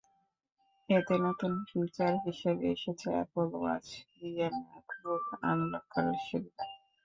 এতে নতুন ফিচার হিসেবে এসেছে অ্যাপল ওয়াচ দিয়ে ম্যাকবুক আনলক করার সুবিধা।